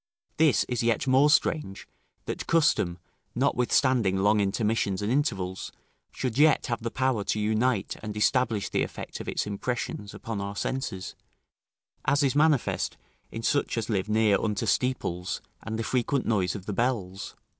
This is yet more strange, that custom, notwithstanding long intermissions and intervals, should yet have the power to unite and establish the effect of its impressions upon our senses, as is manifest in such as live near unto steeples and the frequent noise of the bells.